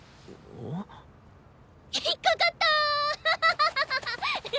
引っ掛かった！